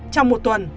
trong một tuần